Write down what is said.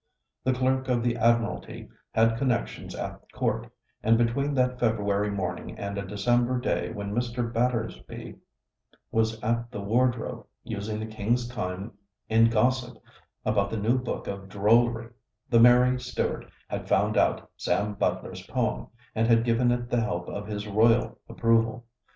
The Clerk of the Admiralty had connections at court; and between that February morning and a December day when Mr. Battersby was at the Wardrobe using the King's time in gossip about the new book of drollery, the merry Stuart had found out Sam Butler's poem and had given it the help of his royal approval.